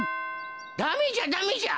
ダメじゃダメじゃ。